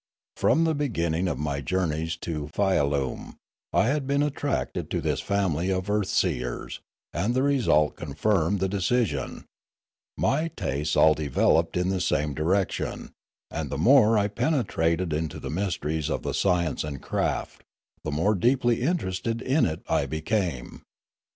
From the beginning of my journeys to Fialume I had been attached to this family of earth seers, and the result confirmed the decision; my tastes all developed in this same direc tion, and the more I penetrated into the mysteries of the science and craft, the more deeply interested in it I became.